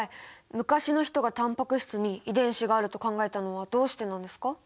昔の人がタンパク質に遺伝子があると考えたのはどうしてなんですか？